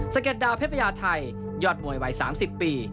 สังเกตดาลเพศพญาไทยยอดมวยไว้๓๐ปี